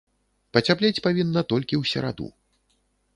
Пацяплець павінна толькі ў сераду.